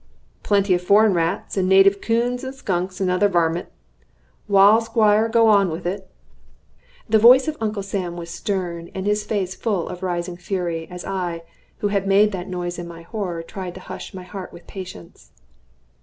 "Plenty of foreign rats, and native 'coons, and skunks, and other varmint. Wal, Squire, go on with it." The voice of Uncle Sam was stern, and his face full of rising fury, as I, who had made that noise in my horror, tried to hush my heart with patience.